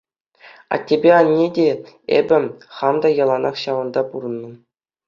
Аттепе анне те, эпӗ хам та яланах ҫавӑнта пурӑннӑ...